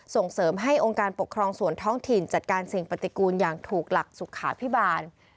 ส่งเสริมให้องค์การปกครองส่วนท้องถิ่นจัดการสิ่งปฏิกูลอย่างถูกหลักสุขาพิบาล